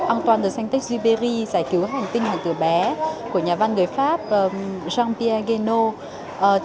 antoine de saint supré giải cứu hành tinh hoàng tử bé của nhà văn người pháp jean pierre guénot